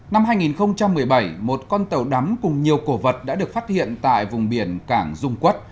năm hai nghìn một mươi bảy một con tàu đắm cùng nhiều cổ vật đã được phát hiện tại vùng biển cảng dung quốc